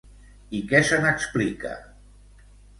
I què se n'explica?